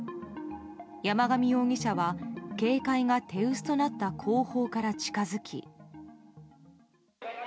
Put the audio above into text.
山上容疑者は警戒が手薄となった後方から近づき。